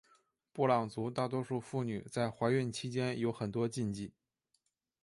布朗族大多数妇女在怀孕期间有很多禁忌。